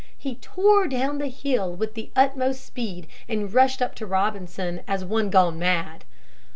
He tore down the hill with the utmost speed and rushed up to Robinson as one gone mad.